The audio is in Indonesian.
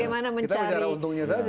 kita menjaga untungnya saja